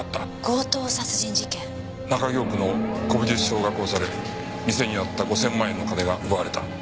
中京区の古美術商が殺され店にあった５千万円の金が奪われた。